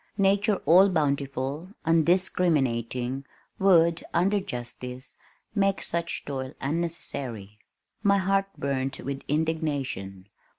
Nature all bountiful, undiscriminating, would, under justice, make such toil unnecessary." My heart burned with indignation.